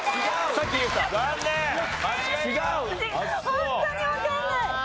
ホントにわかんない！